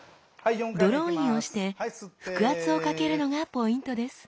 ドローインをして腹圧をかけるのがポイントです